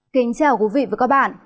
kính chào quý vị và các bạn